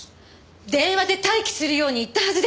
電話で待機するように言ったはずです！